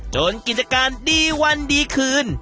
กิจการดีวันดีคืน